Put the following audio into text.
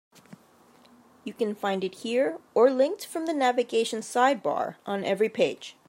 You can find it here, or linked from the navigation sidebar on every page.